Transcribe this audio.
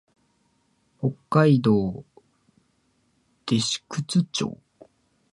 北海道弟子屈町